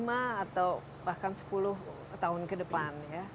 lima atau bahkan sepuluh tahun ke depan ya